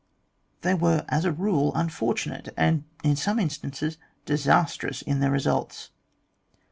They were as a rule unfortunate, and in some instances disastrous in their results.